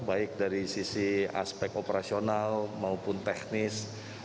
baik dari sisi aspek operasional maupun teknis